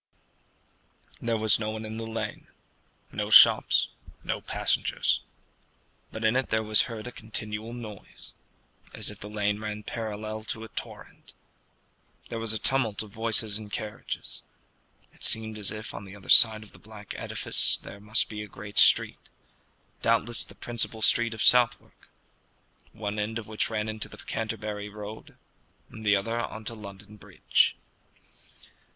There was no one in the lane no shops, no passengers; but in it there was heard a continual noise, as if the lane ran parallel to a torrent. There was a tumult of voices and of carriages. It seemed as if on the other side of the black edifice there must be a great street, doubtless the principal street of Southwark, one end of which ran into the Canterbury road, and the other on to London Bridge.